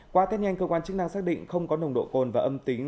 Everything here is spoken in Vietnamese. qua tết nhanh cơ quan chức năng xác định không có nồng độ cồn và âm tính